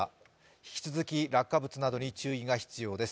引き続き落下物などに注意が必要です。